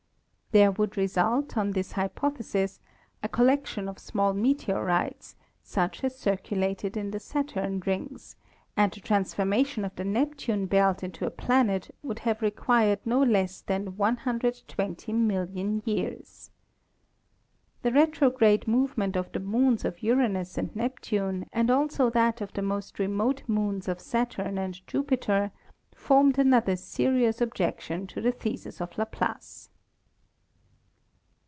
There would result, on this hypothe sis, a collection of small meteorites such as circulated in the Saturn rings, and the transformation of the Neptune belt into a planet would have required no less than 120 million years. The retrograde movement of the moons of Uranus and Neptune and also that of the most remote moons of Saturn and Jupiter formed another serious ob jection to the thesis of Laplace.